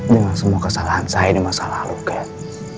dengan semua kesalahan saya di masa lalu kan